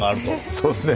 そうですね。